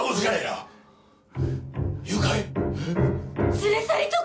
連れ去りとか！？